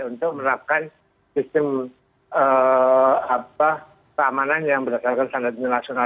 untuk menerapkan sistem keamanan yang berdasarkan standar internasional